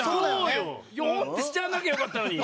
「よん」ってしちゃわなきゃよかったのに。